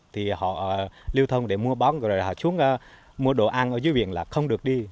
thì họ liêu thông để mua bón rồi họ xuống mua đồ ăn ở dưới viện là không được đi